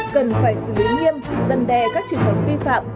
cần phải xử lý nghiêm dân đe các trường hợp vi phạm